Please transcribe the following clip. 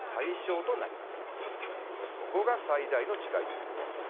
そこが最大の違いです。